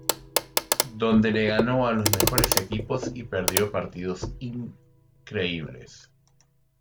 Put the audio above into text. Donde le ganó a los mejores equipos y perdió partidos increíbles.